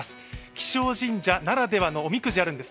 気象神社ならではのおみくじがあるんです。